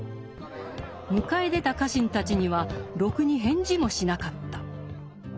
迎え出た家臣たちにはろくに返事もしなかった。